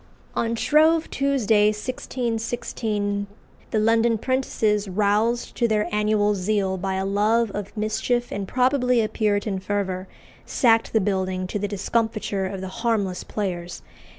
On Shrove Tuesday 1616 17 the London prentices, roused to their annual zeal by a love of mischief and probably a Puritan fervour, sacked the building, to the discomfiture of the harmless players.